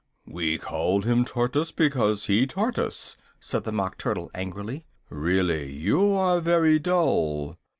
"We called him Tortoise because he taught us," said the Mock Turtle angrily, "really you are very dull!"